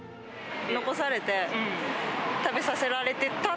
残されて、食べさせられてた。